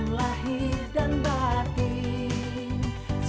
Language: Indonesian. selamat para pemimpin ratnyatnya maku terjamin